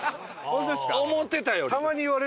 思うてたより。